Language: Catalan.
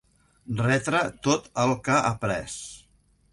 Retre tot el que ha pres.